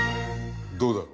どうだ？